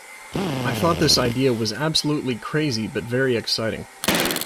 I thought this idea was absolutely crazy but very exciting.